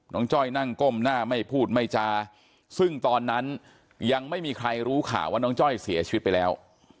จ้อยนั่งก้มหน้าไม่พูดไม่จาซึ่งตอนนั้นยังไม่มีใครรู้ข่าวว่าน้องจ้อยเสียชีวิตไปแล้ว